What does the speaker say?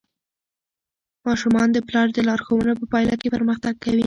ماشومان د پلار د لارښوونو په پایله کې پرمختګ کوي.